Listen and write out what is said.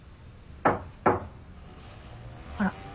あら？